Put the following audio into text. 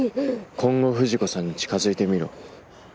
今後藤子さんに近づいてみろ。